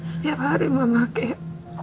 setiap hari mama kayak